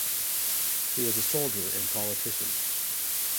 He was a soldier and politician.